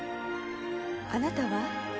あなたは？